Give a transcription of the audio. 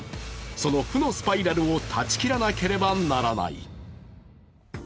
その負のスパイラルを断ち切らなければならない。